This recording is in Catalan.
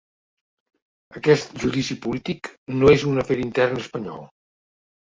Aquest judici polític no és un afer intern espanyol.